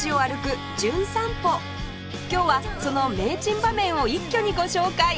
今日はその名珍場面を一挙にご紹介！